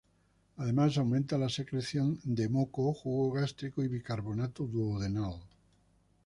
Además, aumenta la secreción de moco, jugo gástrico y bicarbonato duodenal.